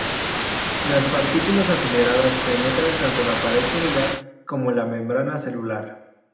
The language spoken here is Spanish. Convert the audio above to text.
Las partículas aceleradas penetran tanto la pared celular como la membrana celular.